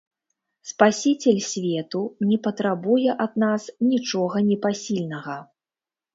Спасіцель свету не патрабуе ад нас нічога непасільнага.